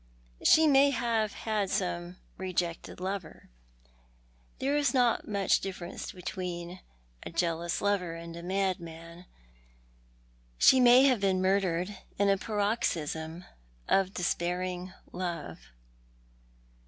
" She may have had some rejected lover. There is not much Encompassed luith Da7'kncss. 133 dififerenco between a jealous lover and a madman. She may have been murdered in a paroxysm of despairing love."